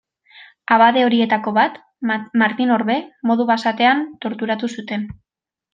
Abade horietako bat, Martin Orbe, modu basatian torturatu zuten.